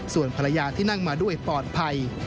ส่วนภรรยาที่นั่งมาด้วยปลอดภัย